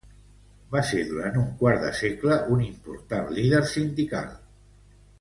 Va ser durant un quart de segle un important líder sindical.